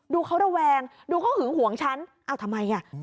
ดูเขาระแวงดูเขาหึงหวงฉันอ้าวทำไมอ่ะ